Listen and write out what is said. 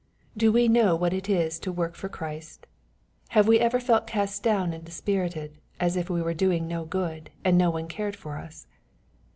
Do we know what it is to work for Christ ? Have we ever felt cast down and dispirited, as if we were doing no good, and no one cared for us